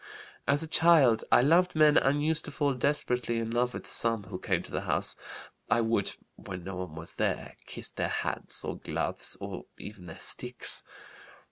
"As a child I loved men and used to fall desperately in love with some who came to the house. I would, when no one was there, kiss their hats, or gloves, or even their sticks.